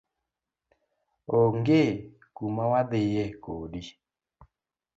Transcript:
Onge kumawadhie kodi.